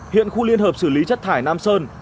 hiện khu liên hợp xử lý chất thải nam sơn